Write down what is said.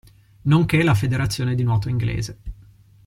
Nonché la federazione di nuoto inglese.